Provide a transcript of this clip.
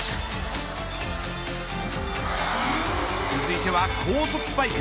続いては高速スパイク。